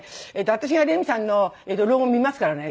「私がレミさんの老後見ますからね」